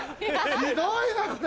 ひどいなこれ。